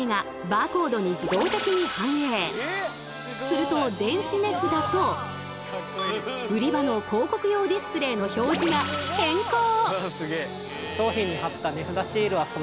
すると電子値札と売り場の広告用ディスプレーの表示が変更！